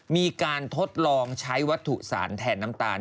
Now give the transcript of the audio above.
มีการทดลองใช้วัตถุสารแทนน้ำตาล